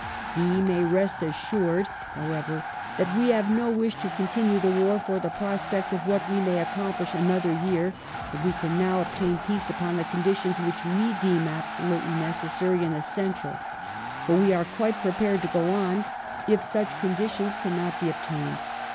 ... He may rest assured, how ever, that we have no wish to continue the war for the prospect of what we may accomplish another year, if we can now obtain peace upon the conditions which we deem absolutely necessary and es sential ; but we are quite prepared to go on if such conditions cannot be obtained.